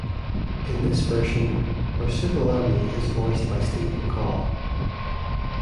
In this version, Marsupilami is voiced by Steve Mackall.